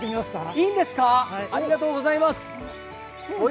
いいんですか、ありがとうございます。